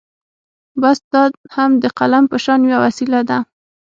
بس دا هم د قلم په شان يوه وسيله ده.